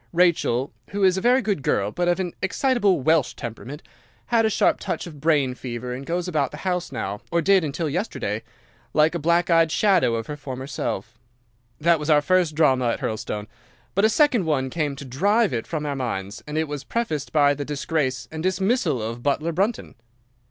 Rachel—who is a very good girl, but of an excitable Welsh temperament—had a sharp touch of brain fever, and goes about the house now—or did until yesterday—like a black eyed shadow of her former self. That was our first drama at Hurlstone; but a second one came to drive it from our minds, and it was prefaced by the disgrace and dismissal of butler Brunton.